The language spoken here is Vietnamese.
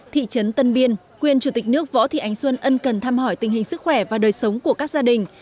thị trấn tân biên quyền chủ tịch nước võ thị ánh xuân ân cần thăm hỏi tình hình sức khỏe và đời sống của các gia đình